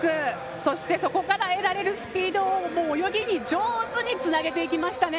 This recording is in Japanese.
そして、そこから得られるスピードを泳ぎに上手につなげていきましたね。